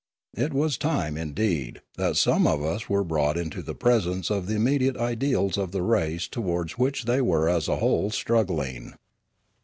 It was time, indeed, that some of us were brought into the presence of the immediate ideals of the race towards which they were as a whole struggling.